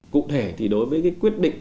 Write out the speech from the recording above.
cụ thể thì đối với cái quyết định